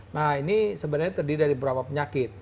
nah ini sebenarnya terdiri dari beberapa penyakit